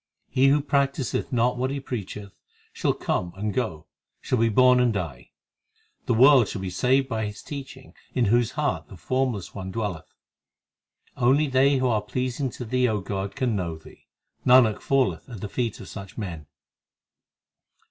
He who practiseth not what he preacheth, Shall come and go, shall be born and die. The world shall be saved by his teaching In whose heart the Formless One dwelleth. Only they who are pleasing to Thee, O God, can know Thee: Nanak falleth at the feet of such men.